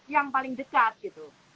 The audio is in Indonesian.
yang paling dekat gitu